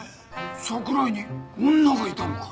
桜井に女がいたのか？